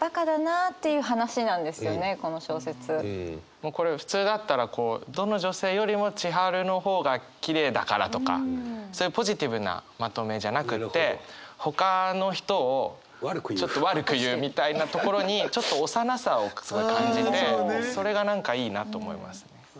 もうこれ普通だったらどの女性よりも千春の方がきれいだからとかそういうポジティブなまとめじゃなくってほかの人をちょっと悪く言うみたいなところにちょっと幼さを感じてそれが何かいいなと思いますね。